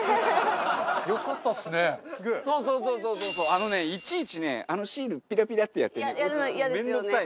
あのねいちいちねあのシールピラピラってやってね面倒くさい。